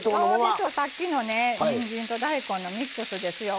さっきのねにんじんと大根のミックスですよ。